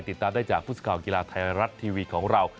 ติดตามได้จากพุศกาลกีฬาไทยรัชทีวีของเรา